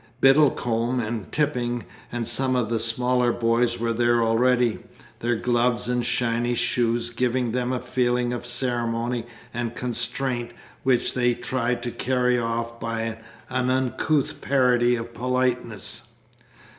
Biddlecomb and Tipping and some of the smaller boys were there already, their gloves and shiny shoes giving them a feeling of ceremony and constraint which they tried to carry off by an uncouth parody of politeness.